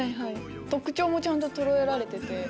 特徴もちゃんと捉えられてて。